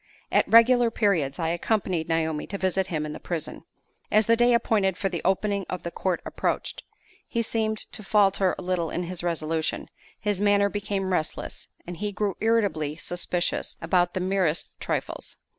At regular periods I accompanied Naomi to visit him in the prison. As the day appointed for the opening of the court approached, he seemed to falter a little in his resolution; his manner became restless; and he grew irritably suspicious about the merest trifles.